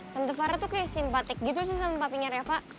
tante farah tuh kayak simpatik gitu sih sama papinya reva